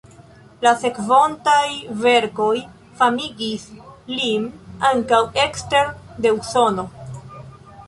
La sekvontaj verkoj famigis lin ankaŭ ekster de Usono.